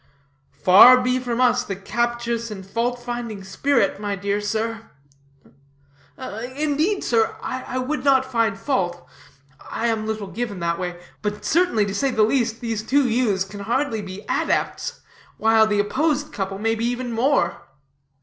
"Far be from us the captious and fault finding spirit, my dear sir." "Indeed, sir, I would not find fault; I am little given that way: but certainly, to say the least, these two youths can hardly be adepts, while the opposed couple may be even more."